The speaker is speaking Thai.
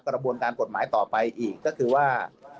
กระบวนการกฎหมายต่อไปอีกก็คือว่า